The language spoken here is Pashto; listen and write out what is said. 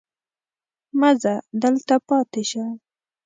مه ځه دلته پاتې شه.